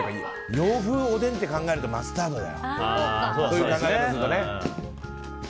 洋風おでんと考えたらマスタードだよ。